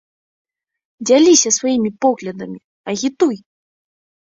Дзяліся сваімі поглядамі, агітуй!